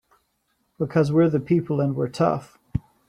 Because we're the people and we're tough!